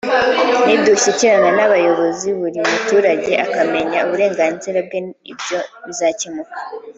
nidushyikirana n’abayobozi buri muturage akamenya uburenganzira bwe ibyo bizakemuka